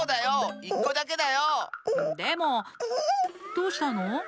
どうしたの？